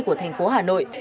của thành phố hà nội